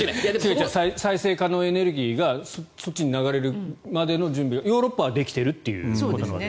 再生可能エネルギーがそっちに流れるまでの準備がヨーロッパはできているということなわけですよね。